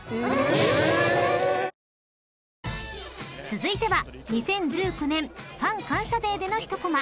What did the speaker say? ［続いては２０１９年ファン感謝ＤＡＹでの一こま］